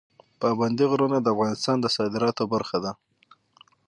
پابندی غرونه د افغانستان د صادراتو برخه ده.